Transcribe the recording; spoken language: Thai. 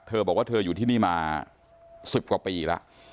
เธอบอกว่าเธออยู่ที่นี่มา๑๐กว่าปีแล้ว